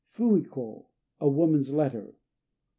Fumi ko "A Woman's Letter."